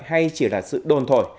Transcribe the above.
hay chỉ là sự đồn thổi